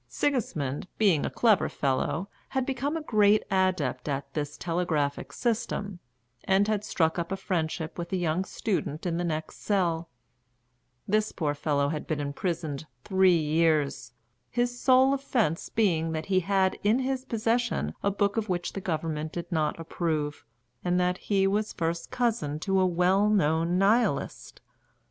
Sigismund, being a clever fellow, had become a great adept at this telegraphic system, and had struck up a friendship with a young student in the next cell; this poor fellow had been imprisoned three years, his sole offence being that he had in his possession a book of which the Government did not approve, and that he was first cousin to a well known Nihilist.